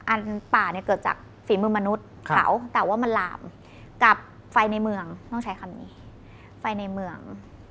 ป่าเนี่ยเกิดจากฝีมือมนุษย์เขาแต่ว่ามันหลามกับไฟในเมืองต้องใช้คำนี้ไฟในเมือง